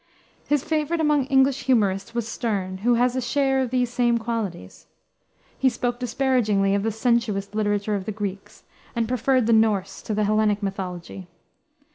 His favorite among English humorists was Sterne, who has a share of these same qualities. He spoke disparagingly of "the sensuous literature of the Greeks," and preferred the Norse to the Hellenic mythology.